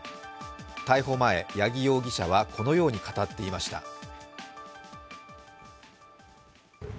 逮捕前、矢木容疑者はこのように語っていました。